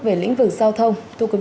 về lĩnh vực giao thông